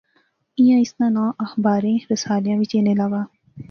ایہھاں اس ناں ناں اخباریں رسالیا وچ اینے لاغا